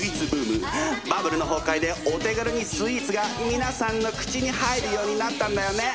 バブルの崩壊でお手軽にスイーツが皆さんの口に入るようになったんだよね。